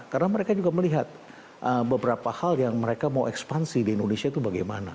karena mereka juga melihat beberapa hal yang mereka mau ekspansi di indonesia itu bagaimana